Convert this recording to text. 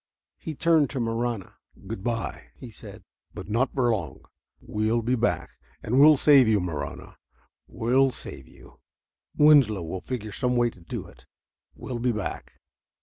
He turned to Marahna. "Good by," he said, "but not for long. We'll be back. And we'll save you, Marahna, we'll save you. Winslow will figure some way to do it.... We'll be back...."